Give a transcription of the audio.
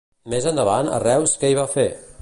Més endavant, a Reus, què hi va fer?